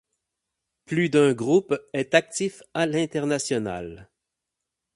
Plus d'un groupe est actif à l'international.